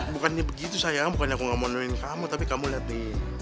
bukannya begitu sayang bukannya aku ga mau nemenin kamu tapi kamu liat nih